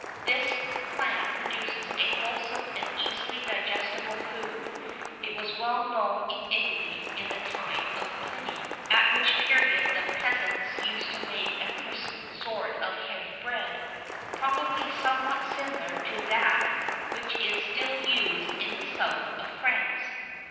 This plant produces a wholesome and easily digestible food; it was well known in Italy in the time of Pliny,[V 29] at which period the peasants used to make a crisp sort of heavy bread, probably somewhat similar to that which is still used in the south of France.